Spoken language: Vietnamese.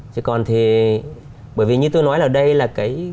chứ còn thì bởi vì như tôi nói là đây là cái